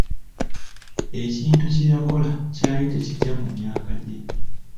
Ekintu kye yakola kyali tekigya mu myaka gye.